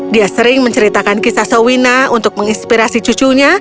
dia sering menceritakan kisah sowina untuk menginspirasi cucunya